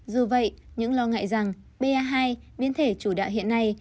dù vậy những lo ngại rằng ba biến thể chủ đạo hiện nay